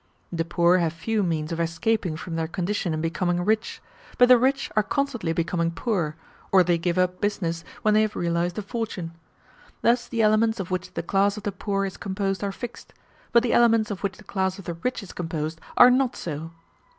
The poor have few means of escaping from their condition and becoming rich; but the rich are constantly becoming poor, or they give up business when they have realized a fortune. Thus the elements of which the class of the poor is composed are fixed; but the elements of which the class of the rich is composed are not so.